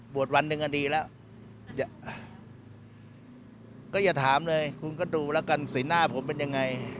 วันหนึ่งก็ดีแล้วก็อย่าถามเลยคุณก็ดูแล้วกันสีหน้าผมเป็นยังไง